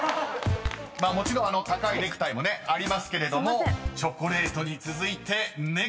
［もちろん高いネクタイもねありますけれども「チョコレート」に続いて「ネクタイ」も入っていない！］